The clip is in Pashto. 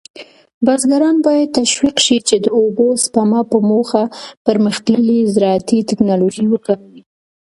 بزګران باید تشویق شي چې د اوبو سپما په موخه پرمختللې زراعتي تکنالوژي وکاروي.